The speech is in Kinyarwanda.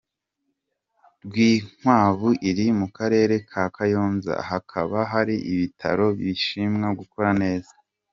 Rwinkwavu iri mu karere ka Kayonza, hakaba hari n’ibitaro bishimwa gukora neza.